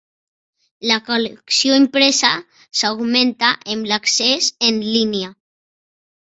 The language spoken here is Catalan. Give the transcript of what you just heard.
La col·lecció impresa s'augmenta amb l'accés en línia.